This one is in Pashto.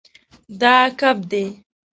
دا کب دی